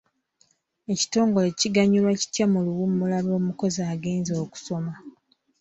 Ekitongole kiganyulwa kitya mu luwummula lw'omukozi agenze okusoma?